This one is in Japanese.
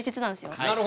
なるほど。